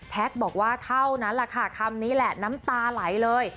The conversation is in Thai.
บอกว่าเท่านั้นแหละค่ะคำนี้แหละน้ำตาไหลเลย